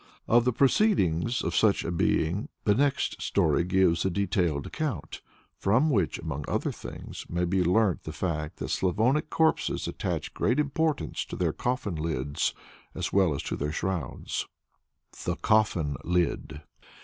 Of the proceedings of such a being the next story gives a detailed account, from which, among other things, may be learnt the fact that Slavonic corpses attach great importance to their coffin lids as well as to their shrouds. THE COFFIN LID.